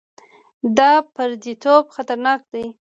دا پرديتوب خطرناک دی.